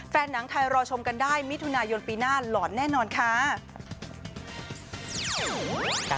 หนังไทยรอชมกันได้มิถุนายนปีหน้าหลอนแน่นอนค่ะ